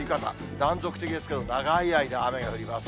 断続的ですけど、長い間、雨が降ります。